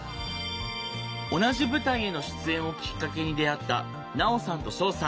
同じ舞台への出演をきっかけに出会ったナオさんとショウさん。